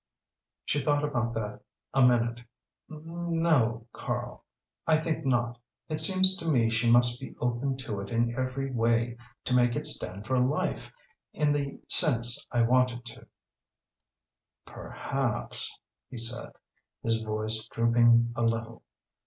She thought about that a minute. "N o, Karl; I think not. It seems to me she must be open to it in every way to make it stand for life, in the sense I want it to." "Perhaps," he said, his voice drooping a little.